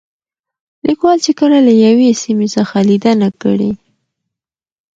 ليکوال چې کله له يوې سيمې څخه ليدنه کړې